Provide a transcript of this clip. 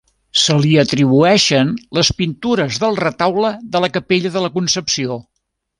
Se li atribueixen les pintures del retaule de la capella de la Concepció.